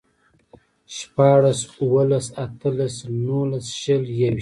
شپاړس، اووهلس، اتهلس، نولس، شل، يوويشت